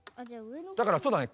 だからそうだね